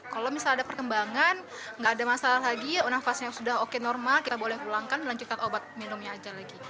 kalau misalnya ada perkembangan nggak ada masalah lagi nafasnya sudah oke normal kita boleh pulangkan melanjutkan obat minumnya aja lagi